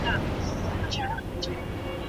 موږ منلې وه د زړه